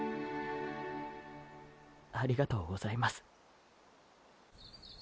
ありがとうございます。